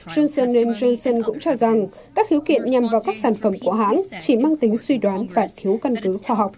johnson johnson cũng cho rằng các khiếu kiện nhằm vào các sản phẩm của hãng chỉ mang tính suy đoán và thiếu căn cứ khoa học